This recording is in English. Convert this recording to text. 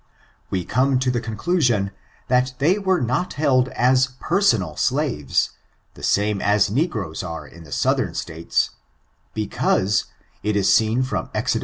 We come to the conclusion that they were not held as personal slaves, the same as negroes are in the southern states, because, it is seen from Exod.